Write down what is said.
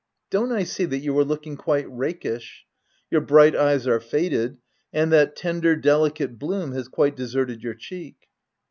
Don't I see that you are looking quite rakish ?— Your bright eyes are faded, and that tender, delicate bloom has quite deserted your cheek."